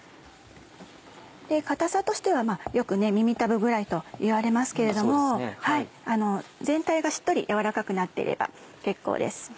硬さとしてはよく耳たぶぐらいといわれますけれども全体がしっとりやわらかくなっていれば結構です。